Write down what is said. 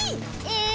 え！